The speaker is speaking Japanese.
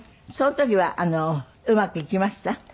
その時はうまくいきました？